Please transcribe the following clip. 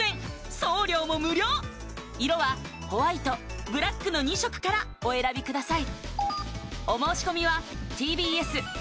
送料も無料色はホワイトブラックの２色からお選びください